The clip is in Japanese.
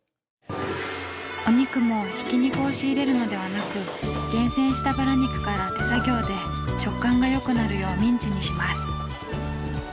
お肉もひき肉を仕入れるのではなく厳選したバラ肉から手作業で食感が良くなるようミンチにします。